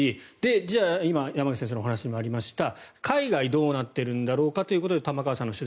じゃあ、今山口先生のお話にもありました海外はどうなってるんだろうかということで玉川さんの取材。